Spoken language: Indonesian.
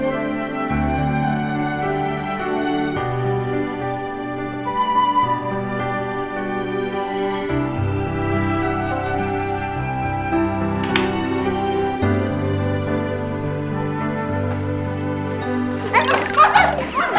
mas cantik banget